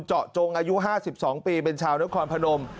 เจาะจงอายุ๕๒ปีเป็นชาวนครพนม